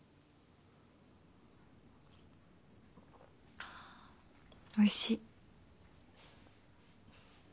あおいしい。